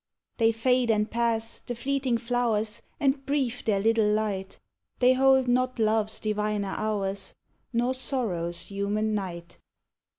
They fade and pass, the fleeting flowers, And brief their little light; They hold not Love's diviner hours, Nor Sorrow's human night.